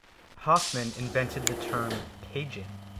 Hoffman invented the term "caging".